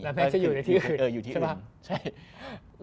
แล้วแมตต์จะอยู่ที่อื่นใช่ปะใช่